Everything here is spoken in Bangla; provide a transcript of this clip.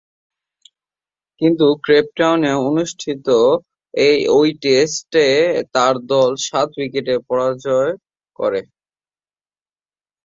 কিন্তু কেপটাউনে অনুষ্ঠিত ঐ টেস্টে তার দল সাত উইকেটে পরাজয়বরণ করে।